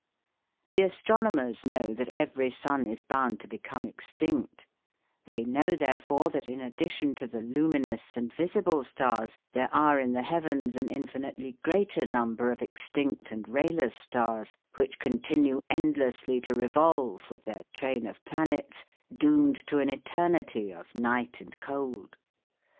The astronomers know that every sun is bound to become extinct; they know, therefore, that in addition to the luminous and visible stars, there are in the heavens an infinitely greater number of extinct and rayless stars which continue endlessly to revolve with their train of planets, doomed to an eternity of night and cold.